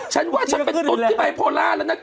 ฉันว่าฉันมีตุ๊ดใบโพล่าแล้วนะ